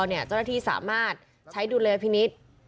เจ้าหน้าที่สามารถใช้ดูเลพินิช